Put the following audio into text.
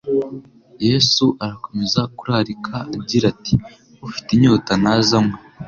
Yesu arakomeza kurarika agira ati: "Ufite inyota naze anywe."